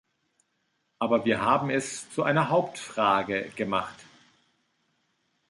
Aber wir haben es zu einer Hauptfrage gemacht.